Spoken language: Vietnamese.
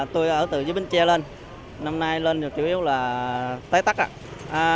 tôi ở từ dưới bến tre lên năm nay lên chủ yếu là tết tắc ạ